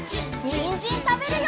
にんじんたべるよ！